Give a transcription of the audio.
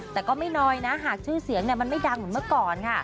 แต่ก็ไม่น้อยนะหากชื่อเสียงมันไม่ดังเหมือนเมื่อก่อนค่ะ